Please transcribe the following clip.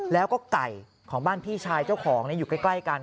แล้วก็ไก่ของบ้านพี่ชายเจ้าของอยู่ใกล้กัน